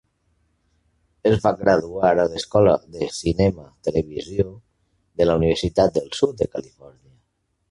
Es va graduar a l'Escola de Cinema-Televisió de la Universitat del Sud de Califòrnia.